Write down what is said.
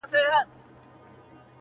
• شېبه وروسته دی خزان وای -